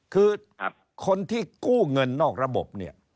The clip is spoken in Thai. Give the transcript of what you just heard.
คือคนที่กู้เงินนอกระบบเนี่ย